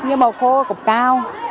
nhưng màu khô cũng cao